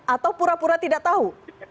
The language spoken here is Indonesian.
atau pura pura tidak tahu